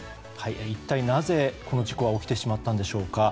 一体なぜこの事故は起きてしまったんでしょうか。